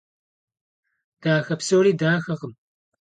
Дахэ псори дахэкъым.